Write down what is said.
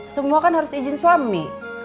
semua kan harus izin suami